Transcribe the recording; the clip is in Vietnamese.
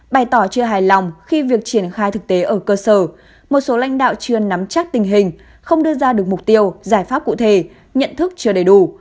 bày tỏ chưa hài lòng khi việc triển khai thực tế ở cơ sở một số lãnh đạo chưa nắm chắc tình hình không đưa ra được mục tiêu giải pháp cụ thể nhận thức chưa đầy đủ